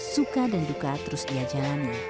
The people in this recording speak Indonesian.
suka dan duka terus diajalannya